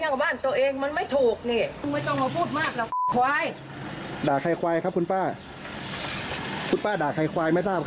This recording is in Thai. คุณอยู่ดีไม่มีใครกล้าด่าหรอก